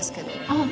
あっ！